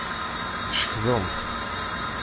Cekḍent.